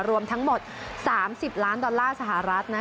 รวมทั้งหมด๓๐ล้านดอลลาร์สหรัฐ